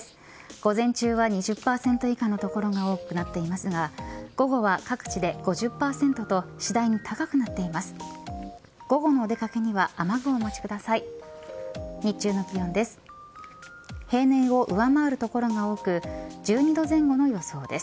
午前中は２０％以下の所が多くなっていますが午後は各地で５０％と次第に高くなっています。